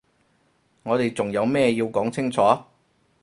我哋仲有咩要講清楚？